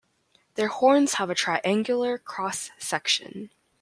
Their horns have a triangular cross section.